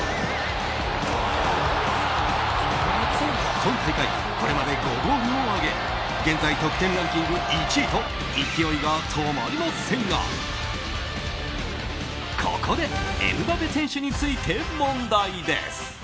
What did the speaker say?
今大会、これまで５ゴールを挙げ現在、得点ランキング１位と勢いが止まりませんがここでエムバペ選手について問題です。